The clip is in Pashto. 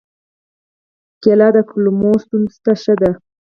کېله د کولمو ستونزو ته ښه ده.